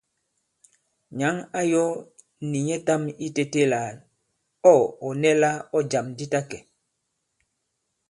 Nyǎŋ ā yɔ̄ nì nyɛtām itētē la tâ ɔ̀ nɛ la ɔ̂ jàm di ta kɛ̀.